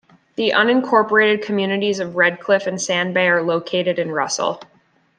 The unincorporated communities of Red Cliff and Sand Bay are located in Russell.